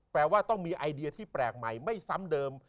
แปลว่าต้องมีไอเดียที่แปลกใหม่ไม่ซ้ำเดิม